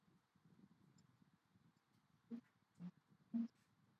Kwa hiyo watoto wake alikuwa akiwaachia nafasi